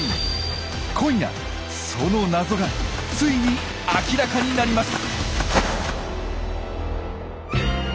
今夜その謎がついに明らかになります！